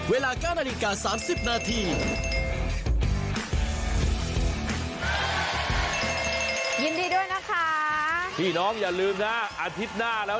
เวลา๙นาฬิกา๓๐นาที